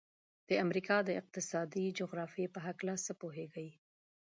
د امریکا د اقتصادي جغرافیې په هلکه څه پوهیږئ؟